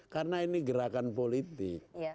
karena ini gerakan politik